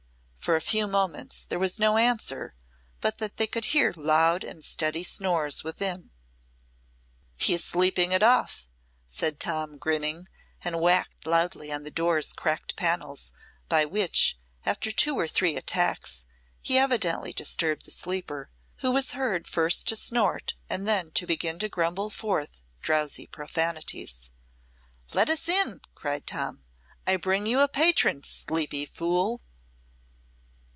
For a few moments there was no answer, but that they could hear loud and steady snores within. "He is sleeping it off!" said Tom, grinning, and whacked loudly on the door's cracked panels, by which, after two or three attacks, he evidently disturbed the sleeper, who was heard first to snort and then to begin to grumble forth drowsy profanities. "Let us in," cried Tom. "I bring you a patron, sleepy fool."